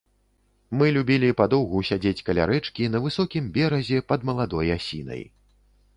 Мы любілі падоўгу сядзець каля рэчкі, на высокім беразе, пад маладой асінай.